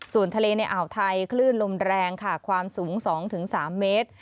ส่วนทะเลในอ่าวไทยคลื่นลมแรงค่ะความสูง๒๓เมตร